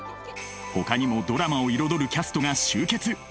ほかにもドラマを彩るキャストが集結